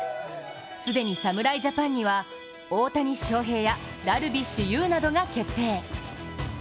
既に侍ジャパンには大谷翔平やダルビッシュ有などが決定。